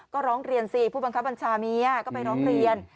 ก็ร้องเรียนสิผู้บังคับบัญชาเมียก็ไปร้องเรียน